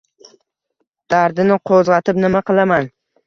Dardini qo‘zg‘atib nima qilaman?